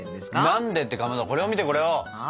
何でってかまどこれを見てこれを！